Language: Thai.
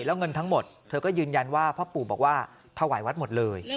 แล้วเงินทั้งหมดเธอก็ยืนยันว่าพ่อปู่บอกว่าถวายวัดหมดเลย